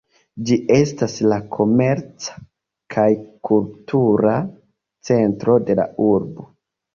Ĝi estas la komerca kaj kultura centro de la urbo.